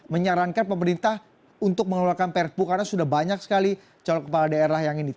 menyarankan pemerintah untuk mengeluarkan perpu karena sudah banyak sekali calon kepala daerah yang ini